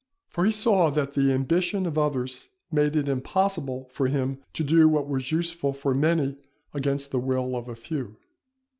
For he saw that the ambition of others made it impossible for him to do what was useful for many against the will of a few.